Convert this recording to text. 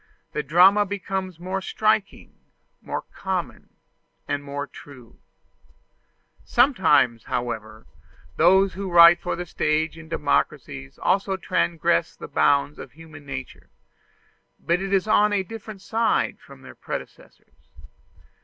The drama becomes more striking, more common, and more true. Sometimes, however, those who write for the stage in democracies also transgress the bounds of human nature but it is on a different side from their predecessors.